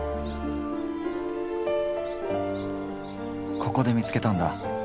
ここで見つけたんだ。